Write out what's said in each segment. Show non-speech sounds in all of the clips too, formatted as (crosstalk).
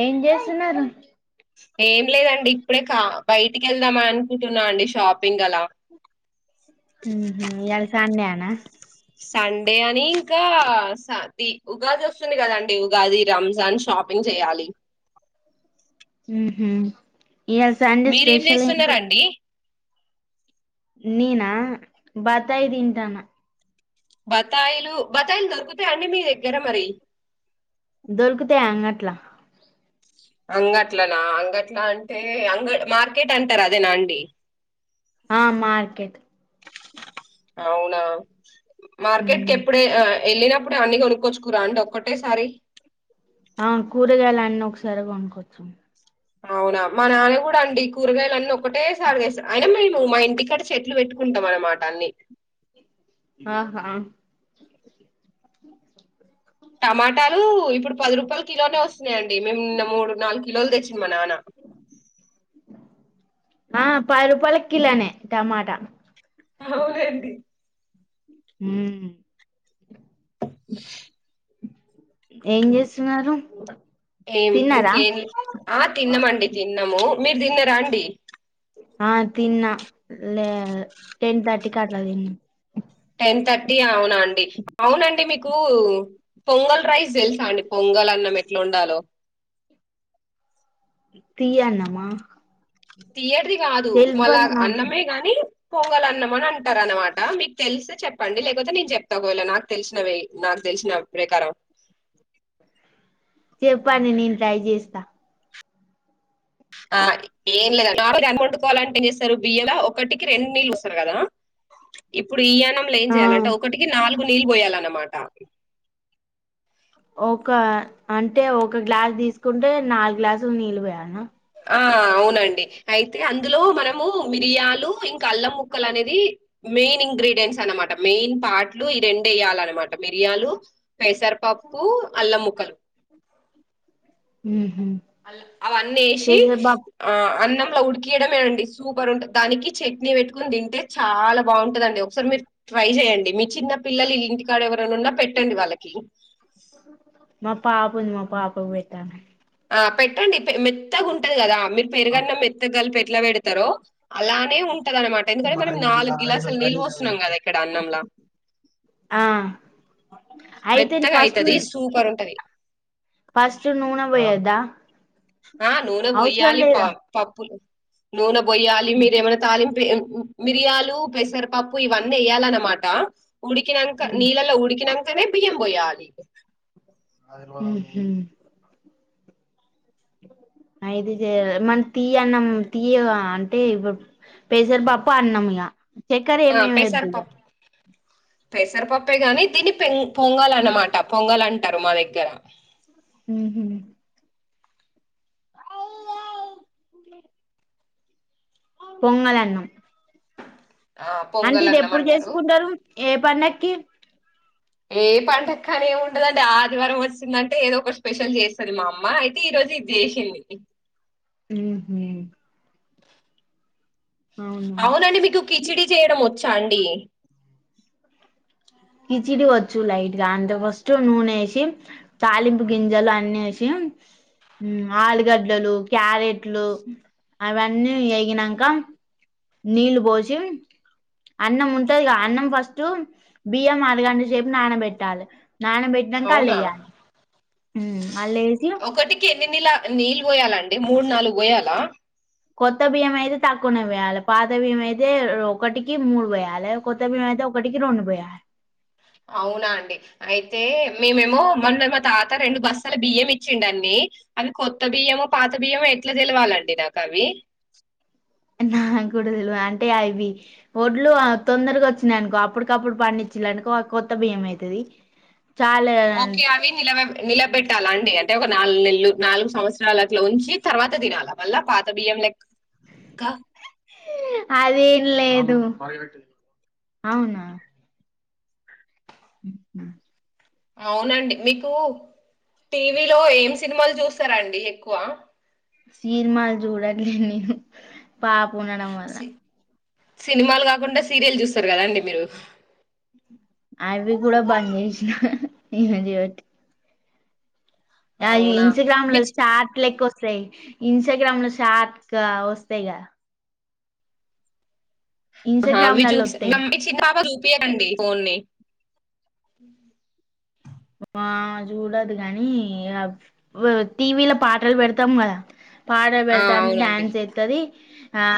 ఏం చేస్తున్నారు? ఏం లేదండి, ఇప్పుడే కా బయటికి వెళ్దామని అనుకుంటున్నా అండి షాపింగ్ అలా. ఉహూ ఈయలసండే అనా. సండే అని ఇంకా అది ఉగాది వస్తుంది కదాండి ఉగాది, రంజాన్ షాపింగ్. జేయాలి. ఉహు ఇయలసండే మీరేం స్పెషల్‌ ఏంటి? చేస్తున్నారండి నేనా బత్తాయి తింటాన్న. బత్తాయిలు బత్తాయిలు దొరుకుతాయ అండి మీ దగ్గర మరి దొరుకుతాయి అంగట్లా అంగట్లోనా? అంగట్లో అంటే అంగడ్ మార్కెట్ అంటారు అదేనా అండి? ఆ మార్కెట్. అవునా, మార్కెట్ ఉమ్ కెప్పుడే ఆ. ఎళ్ళినప్పుడు అన్ని కొనుక్కొచ్చుకురా అండి? ఒక్కటేసారి. అవును. కూరగాయలు అన్నీ ఒకసారే కొనుకొచ్చు అవునా? మా నాన కూడా అండి కూరగాయలన్నీ ఒకటే సారి తెస్తాడ్. అయిన మేము మా ఇంటికాడ చెట్లు పెట్టుకుంటం అన్నమాట అన్ని ఆహా! టమాటాలు ఇప్పుడు పది రూపాలక్. కిలోనే వస్తున్నాయండి మేము నిన్న మూడు నాలుగు కిలోలు తెచ్చిండు మానాన. ఆ పది రూపాయలకి కిలోనే టమాటా. అవునండి. మ్! ఏం జేస్తున్నారు? ఏం ఇంకేం ఆ తిన్నమండి, తిన్నాము. మీరు తిన్నరా అండి? ఆ తిన్నా లే టెన్ థర్టీ క్ అట్లా తిన్నా. టెన్ థర్టీ అవునా అండి. అవునా అండి మీకు పొంగల్ రైస్ తెల్సా అండి పొంగల్ అన్నం ఎట్లోండాలో? తీయన్నమా తీయటిది కాదు తెల్వదు మళాగ్ నాకు అన్నమే గాని. పొంగల్నమని అంటారన్నమాట మీకు తెలిస్తే చెప్పండి. లేకపోతే నేను చెప్తా ఒకవేళ నాకు తెలిసినవి నాకు తెలిసిన ప్రెకారం చెప్పండి నేన్ ట్రై చేస్తా. ఆ ఏం లేదని నార్మల్గా అన్నం వొండుకోవాలంటే ఏం చేస్తారు బియ్యంలో ఒకటికి రెండు నీళ్ళు పోస్తారు కదా! ఇప్పుడు ఈ అన్నంలో ఏం ఆ చేయాలంటే? ఒకటికి నాలుగు నీళ్ళు పోయాలన్నమాట. ఒక అంటే ఒక గ్లాస్ తీసుకుంటే నాలుగు గ్లాసులు నీళ్ళు పోయాల్నా ఆ (inaudible) అవునండి అయితే అందులో మనము మిరియాలు ఇంకా అల్లం ముక్కలు అనేది మెయిన్ ఇంగ్రి ఇంగ్రిడియంట్స్ అన్నమాట మెయిన్ పాట్లు ఈ రెండు ఎయాలన్నమాట మిరియాలు పెసర పప్పు అల్లం ముక్కలు ఉహు అల్ల అవన్నేసి పెసరపా ఆ అన్నం ల అట్లా ఉడికియడమే అండి సూపర్ ఉంటది దానికి చట్నీ పెట్టుకుని తింటే చాలా బాగుంటదండి ఒకసారి మీర్ ట్రై చేయండి మీ చిన్న పిల్లలు ఇంటికాడ ఎవరన్నా ఉన్నా పెట్టండి వాళ్ళకి మా పాపుంది మా పాపక్ పెట్టన్న ఆ పెట్టండి పె మెత్తగా ఉంటది కదా మీరు పెరుగన్నం మెత్తగ కలిపి ఎట్లా పెడతరో అలానే ఉంటదన్నమాట ఎందుకంటే మనం నాలుగు గ్లాస్సుల నీల్ వొస్తున్నం కదా ఇక్కడ అన్నంలా ఆ అయితే మెత్తగా ఫస్ట్ అయితది సూపర్ ఉంటది ఫస్ట్ నూనె పోయద్దా ఆ నూనె అవసరం పోయ్యాలి లేదా పప్పులు నూనె పోయ్యాలి మీరేమైనా తాలింపు నువెం మిరియాలు పెసరపప్పు ఇవన్నీ ఎయాలన్నమాట ఉడికినంక నీళ్ళలో ఉడికినంకనే బియ్యం పోయాలి ఉహు అయితే జేయాలి మన్ తీయన్నం తీయగా అంటే ఇప్పుడ్ పెసరపప్పు అన్నం ఇగ చక్కర్ ఆ ఏమేమియద్దు ఇగ పెసరపప్పు పెసరపప్పే గాని దీని పెంగ్ పొంగల్ అన్నమాట పొంగల్ అంటారు మా దగ్గర ఉహు పొంగలన్నం ఆ అంటే పొంగల్ ఇది అన్నం ఎప్పుడు అంటారు చేసుకుంటారు ఏ పండక్కి ఏ పండక్కని ఏమి ఉండదండి ఆదివారం వచ్చింటే ఏదో ఒక స్పెషల్ చేస్తంది మా అమ్మ అయితే ఈ రోజు ఇది చేసింది హు మ్మ్ అవునండి మీకు కిచిడి చేయడం వచ్చా అండి కిచిడి వచ్చు లైట్ గా అంటే ఫస్ట్ నూనె వేసి తాలింపు గింజలు అన్ని ఎసి (inaudible) ఆలుగడ్లలు క్యారెట్లు అవన్నీ వేగినాక నీళ్లు పోసి అన్నం ఉంటది కదా అన్నం ఫస్ట్ బియ్యం అరుగంట సేపు నానబెట్టాలి నానబెట్టటినాక అళ్ళు అవునా వేయ్యాలే ఒకటికి ఎన్ని నీళ నీళ్ళు పోయాలండి మూడు నాలుగు పోయాలా కొత్త బియ్యం అయితే తక్కువ పొయ్యాలి పాత బియ్యం అయితే ఒకటికి మూడు పొయ్యాలి కొత్త బియ్యం ఒకటికి రెండు పొయాలి అవునా అండి అయితే మేమేమో మన మొన్న తాత రెండు బస్తాల బియ్యం ఇచ్చిండండి అవి కొత్త బియ్యమె పాత బియ్యమో ఎట్లా తెలవాలండి నాకు అవి (inaudible) నాకూడ తెలువదుఅంటే అవి ఒడ్లు తొందరగా వచ్చినాయనుకో అప్పటికప్పుడు పండి చరెనుకో కొత్త బియ్యం అవుతుది ఓకే అవి నిలబెట్టాల అండి అంటే ఒక నాలుగు నెల్లు నాలుగు సంవత్సరాల ఉంచి తర్వాత తినాల మళ్ళ పాత బియ్యం లెక్క కాదు అదేం లేదు అవునా (inaudible) అవునండి మీకు టీవీలో ఏం సినిమాలు చూస్తారాండి ఎక్కువ సినిమాలు చూడట్లే నేను పాప ఉండడం వలన సి- సినిమాలు కాకుండా సీరియల్ చూస్తారు కదాండి మీరు అవి కూడా బంద్ చేసిన ఇమె చేయవట్ ఆ అవునా ఇంస్టాగ్రామ్ మీ చి- చాట్లు ఎక్కువస్ వస్తాయి ఇంస్టాగ్రామ్ లో చాట్ గా వస్తాయిగా అవ్వి ఇన్స్టాగ్రామ్ లలో చూసే వత్తాయి మీ చిన్న పాప చు తీయకండి ఫోన్ని ఆ చూడదు గాని ఇగ టీవీలో పాటలు పెడతాం కదా పాట ఆ పెడతాంది అవునండి డాన్స్ ఎత్తాది ఆ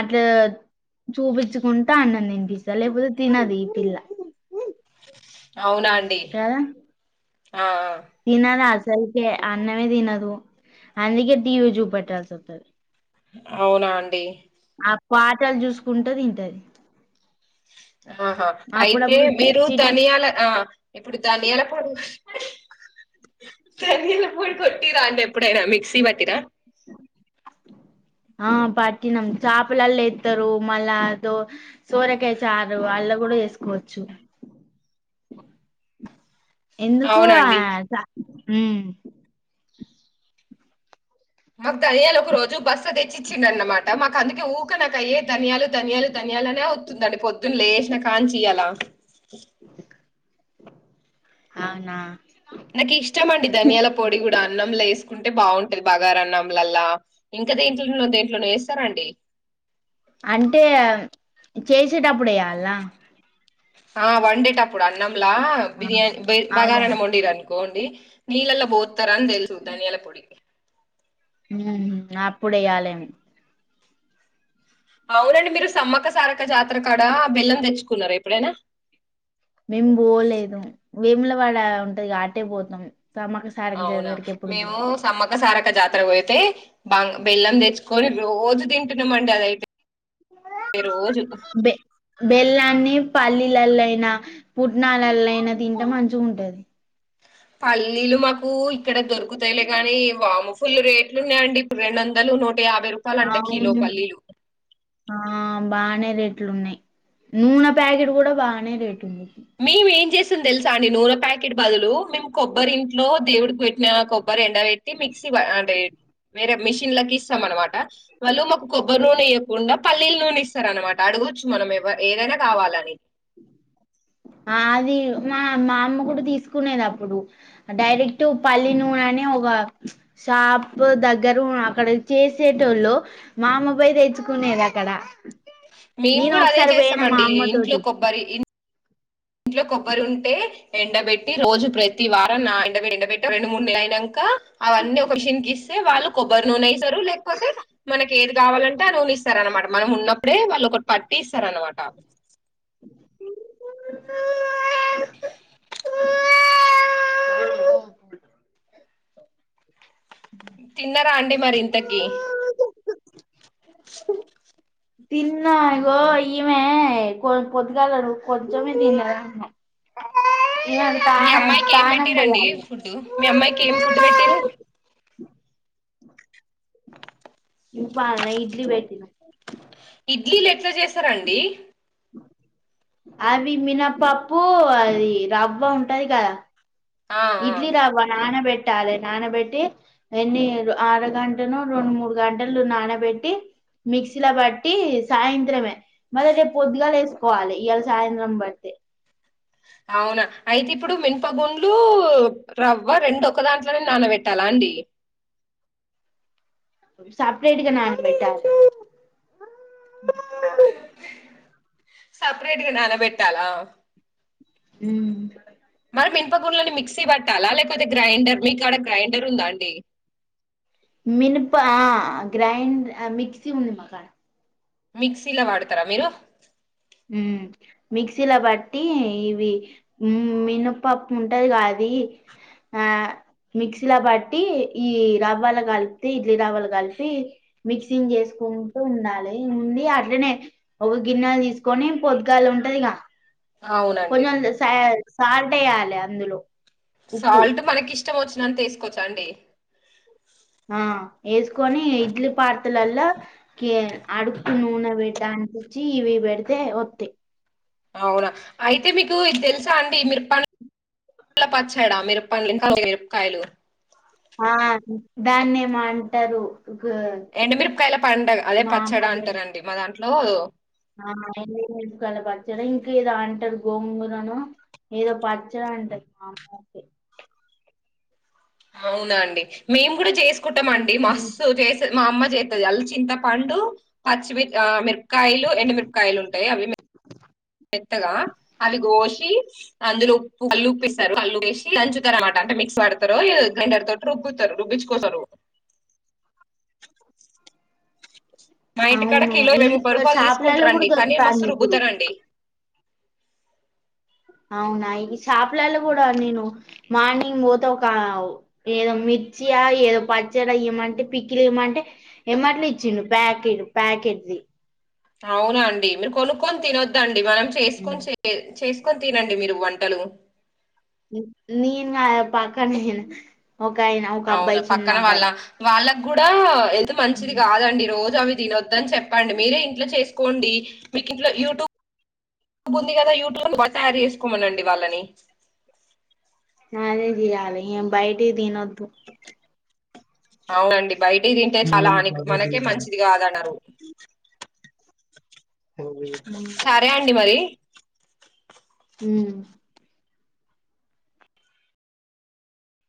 ఇట్లా చూపించుకుంటా అన్నం తినిపిస్తా లేకపోతే తినదు ఈ పిల్ల అవునా అండి కదా ఆ తినదు అసలుకే అన్నమే తినదు. అందుకే టీవీ చూపెట్టాల్సి వత్తది. అవునా అండి ఆ పాటలు చూసుకుంట తింటది ఆహా అయితే అప్పుడప్పుడు మీరు చిటి ధనియాల ఆ ఇప్పుడు ధనియాల పొడి కర్రీల పొడి కొట్టిరా అండి ఎప్పుడైనా మిక్సీ పట్టిరా ఆ పట్టి నమ్ షాపులాల ఏత్తరు మల్ల సోరకాయ చారు అలా ఇంట్ల గుడా చెసుకోవచ్చు ఎందుకు యా అవునండి స మాకు ధనియాలు ఒక రోజు బస్త తెచ్చి ఇచ్చిండు. అన్నమాట మాకు అందుకే ఊకె నాక అయ్యే ధనియాలు ధనియాలు ధనియాలు అనే వస్తుందండి. పొద్దున్న లేసినా కనుంచి ఇయ్యాల అవునా నాకు ఇష్టమండి ధనియాలపొడి కూడా అన్నంలో వేసుకుంటే బాగుంటది. బగార అన్నంలలా ఇంకా దేంట్లో దేంట్లో వేస్తారండి. అంటే చేసేటప్పుడు ఎయ్యాలన ఆ వండేటప్పుడు అన్నంలా బిర్యానీ అదే బగారా అన్నం వండిర్ అనుకో బోండి నీలల్లో పోత్తార అని తెలుసు ధనియాల పొడి ఉ నాప్పుడు వెయ్యాలి అని అవునండి మీరు సమ్మక్క సారక్క జాతరకాడ బెల్లం తెచ్చుకున్నారా ఎప్పుడైనా మేము పోలేదు వేముల వాడ ఉంటది అటే పోతాం. సమ్మక సారక్క అవునా జాతరకి ఎప్పుడు మేము బోమ్ సమ్మక్క సారక్క సారక జాతరకు పోయితే బాంగ్ బెల్లం తెచ్చుకొని రోజు తింటున్నామండి అదైతే రోజు బె బెల్లాన్ని పాళ్ళి పల్లల్ల అయినా పుట్నాలల్లో అయినా తింటే మంచిగ ఉంటది. పల్లీలు మాకు ఇక్కడ దొరుకుతాయిలే కానీ, వామ ఫుల్లు రేట్లు ఉన్నాయిండి. ఇప్పుడు రెండు వందలు నూట్ ఒక యాభై రూపాయలు అంటే కిలో అవును పల్లీలు బాగనే రేట్లు ఉన్నాయి. నూనె ప్యాకెట్ కూడా బానే రేట్ ఉంది. మేము ఏం చేస్తాం తెలుసా అండి. నూనె ప్యాకెట్ బదులు మేము కొబ్బరి ఇంట్లో దేవుడికి పెట్టిన కొబ్బరి ఎండ పెట్టి మిక్సీ పడ్ వేరే మిషన్లకి ఇస్తాం అనమాట. వాళ్ళు మాకు కొబ్బరి నూనె ఇవ్వకుండా పల్లీల నూనె ఇస్తారు అనమాట. అడగొచ్చు మనం ఎవ ఏదైనా కావాలని ఆది మా మా అమ్మ కూడా తీసుకునేది అప్పుడు డైరెక్ట్ పల్లి నూన ఏన్ని ఒగ షాప్ దగ్గర అక్కడ చేసేటోళ్ళు మా అమ పోయ్ తెచ్చుకునేది అక్కడ ఇక్కడ మేము నేను కూడా అదే ఒకసారి పోయిన మా చేస్తామండి అమ్మ ఇంట్లో తోటి కొబ్బరి ఇంట్లో కొబ్బరి ఉంటే ఎండబెట్టి రోజు ప్రతి వారం నా ఎండపెట్ట రెండు మూడు నెల అయినంక అవన్నీ ఒకషన్ కి వాళ్ళు కొబ్బరి నూనెస్తారు. లేకపోతే మనకి ఏది కావాలంటే ఆ నూన ఇస్తారు అనమాట. మనం ఉన్నప్పు ఇప్పుడే వాళ్ళు ఒకటి పట్టి ఇస్తార అనమాట. (inaudible) తిన్నారా అండి మరి ఇంతకి తిన్నాగో ఈమె పొద్దిగాల కొంచమే తిన్నది (inaudible) మీ సాధనము అమ్మాయికి ఏం సాధనము పెట్టిరండి బోవాలీ ఫుడ్ మీ అమ్మాయికి ఏం ఫుడ్ పెట్టిరు ఇ పాలన్నా ఇడ్లీ బెటి ఇడ్లీలు ఎట్లా చేస్తారాండి అవి మినపప్పు అది రవ్వ ఉంటది కదా ఆ ఇడ్లీ రవ్వ నానా బె పెట్టాలి నానబెట్టి ఎన్ని ఆర గంటను రెండు మూడు గంటలు నానబెట్టి మిక్సీ బట్టి సాయంత్రమే మళ్ళీ రేపు పొద్దుగాలు వేసుకోవాలి ఇళ సాయంత్రం బట్టి (inaudible) అవునా అయితే ఇప్పుడు మినపగుండ్లు రవ్వ రెండు ఒక దాంట్లోనే నానబెట్టాల అండి సపరేట్ గా నానా బేట్టాలి సపరేట్ గా నానా బెట్టాలా ఉ మినపగుండ్లు అన్ని మిక్సీ పట్టాలా లేకపోతే గ్రైండర్ మీకాడ గ్రైండర్ ఉందా అండి మినప ఆ గ్రైండర్ మిక్సీ ఉంది మకాడ మిక్సీలో వాడుతారా మీరు హు మిక్సీలో పట్టి ఇవి మినపప్పు ఉంటదిగా అది ఆ మిక్సీలో బట్టి ఈ రవ్వలు కలిపితే ఇడ్లీ రవ్వలు కలిపి మిక్సింగ్ చేసుకుంటూ ఉండాలి ఉండి అట్లనే ఒక గిన్నె తీసుకు కొనేం పొద్గాలి ఉంటదిగా అవునండి కొంచెం సల సాల్ట్ వేయ్యాలి అందులో ఉప్పు సాల్ట్ మనకి ఇష్టం వచ్చినంత ఏసుకోవచ్చా అండి ఆ వేసుకొని ఇడ్లి పార్తలల్లా కె అడుకు నూనె పెట బుచ్చి ఇవి బెడితే ఒతాయ్ అవునా అయితే మీకు ఇది తెలుసా అండి మిరప పలా పచ్చాడా మిరపలు ఇంకా మిరపకాయలు ఆ దాన్నేమ అంటారు గు ఎంండమిరపకాయల పండగ అదే మా అమ్మ పచ్చడా పెడ్ అంటారండి మా దాంట్లో ఆ అపుల పచ్చడా ఇంక ఏదో అంటారు గోంగూరను ఏ పచ్చడా అంటది మాట్లాడితే అవునా అండి మేము కూడా చేసుకుంటాం అండి మస్తు చేస మా అమ్మ చేతది అల్ల చింతపండు పచ్చిమి మిరపకాయలు ఎండుమిరపకాయలు ఉంటాయి అవి మేతగా అవి కోసి అందులో ఉప్పు కళు ఉప్పువేస్తారు దంచుతారన్నమాట అంటే మిక్స్ పడతారు గ్రైండర్డతో రుబ్బుతారు రుబ్బిచుకోస్తారు మా ఇంటికాడ అవును కిలో వెయ్ ఇది ముప్పై ప- రూపాయలు షాపులలో కూడా తీసుకుంటారండి కానీ దొరుకుతాంది మస్తు ఇప్పుడు రుబుతారండి అవునా ఈ షాప్లలా కూడా నేను మార్నింగ్ పోతే ఒక ఏదో మీ చ్చి ఏదో పచ్చడి ఈయమంటే పిక్కిలు ఇమంటే ఏమంటనే ఇచ్చిడు ప్యాకెట్ ప్యాకెట్ ీ అవునా అండి మీరు కొనుక్కొని తినొద్దండి మనం ఉమ్. చేసుకొని చేసు కోని తినండి మీరు వంటలు నేనా పక్కనే అవునా పక్కన వాళ్ళ వాళ్ళకి కూడా ఎది మంచిది ఉమ్. కాదండి రోజు అవి తిన్న వద్దని చెప్పండి మీరే ఇంట్లో చేసుకోండి మీకు ఇంట్లో యూట్యూబ్ ఉంది కదా యూట్యూబ్ లో తయారు చేసుకోమనండి వాళ్ళని అదే చేయాల బయటయీ తిన్న వద్దు అవునండి బయటి తింటే చాలా అ మనకే మంచిదిగాదన్నారు ఉమ్ సరే అండి మరి హ